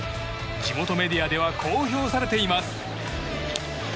地元メディアではこう評されています。